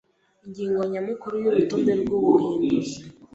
Ingingo nyamukuru yurutonde rwubuhinduzi